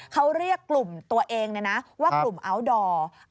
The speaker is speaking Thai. เขาเรียกกลุ่มตัวเองว่ากลุ่มอัลดอร์